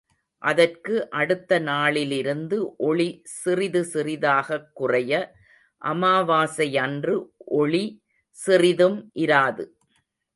அதற்கு அடுத்த நாளிலிருந்து ஒளி சிறிது சிறிதாகக் குறைய, அமாவாசை யன்று ஒளி சிறிதும் இராது.